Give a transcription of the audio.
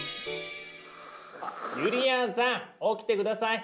ゆりやんさん起きて下さい！